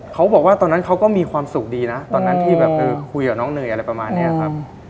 เขาบอกว่าตอนนั้นเขาก็มีความสุขดีนะตอนนั้นที่แบบคือคุยกับน้องเนยอะไรประมาณนี้ครับ